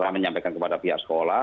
menyampaikan kepada pihak sekolah